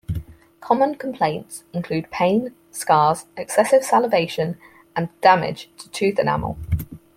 Common complaints include pain, scars, excessive salivation and damage to tooth enamel.